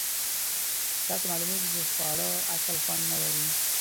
داسې معلومیږي چې خواړه اصلآ خوند نه لري.